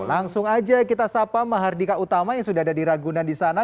langsung aja kita sapa mahardika utama yang sudah ada di ragunan di sana